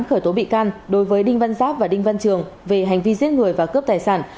khởi tố bị can đối với đinh văn giáp và đinh văn trường về hành vi giết người và cướp tài sản